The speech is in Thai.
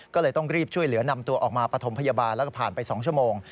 ก็เลยต้องรีบช่วยเหลือนำตัวออกมาปฐมพยาบาลแล้วก็ผ่านไป๒ชั่วโมง